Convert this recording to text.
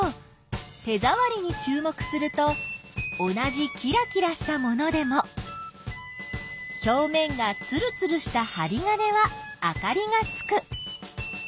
手ざわりにちゅう目すると同じキラキラしたものでもひょうめんがつるつるしたはり金はあかりがつく。